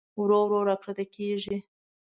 ورو ورو راښکته کېږي.